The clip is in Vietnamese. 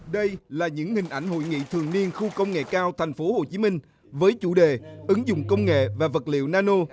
đây là những hình ảnh hội nghị thường niên khu công nghệ cao tp hcm với chủ đề ứng dụng công nghệ và vật liệu nano